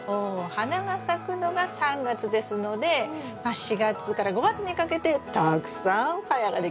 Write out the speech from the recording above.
花が咲くのが３月ですのでまあ４月から５月にかけてたくさんサヤができますよ。